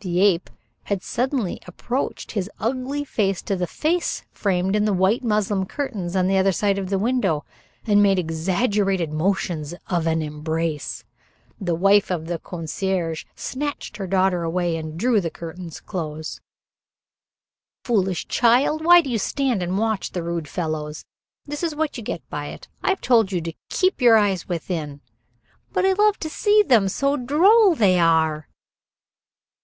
The ape had suddenly approached his ugly face close to the face framed in the white muslin curtains on the other side of the window, and made exaggerated motions of an embrace. The wife of the concierge snatched her daughter away and drew the curtains close. "Foolish child! Why do you stand and watch the rude fellows? This is what you get by it. I have told you to keep your eyes within." "But I love to see them, so droll they are."